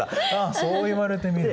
そう言われてみれば。